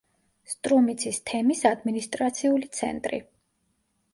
სტრუმიცის თემის ადმინისტრაციული ცენტრი.